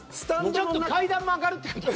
ちょっと階段も上がるって事？